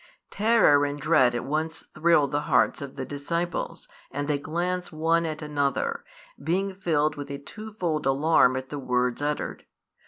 Terror and dread at once thrill the hearts of the disciples, and they glance one at another, being filled with a twofold alarm at the words uttered.